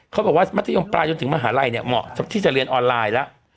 เขาบอกว่ามัธยมปลายจนถึงมหาลัยเนี่ยเหมาะที่จะเรียนออนไลน์แล้ว